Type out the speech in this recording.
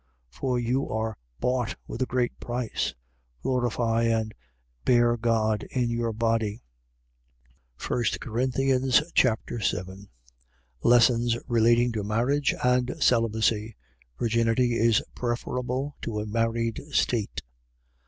6:20. For you are bought with a great price. Glorify and bear God in your body. 1 Corinthians Chapter 7 Lessons relating to marriage and celibacy. Virginity is preferable to a married state.